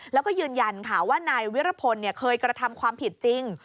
แล้วก็ยืนยันค่ะว่านายวิรพลเคยกระทำความผิดจริง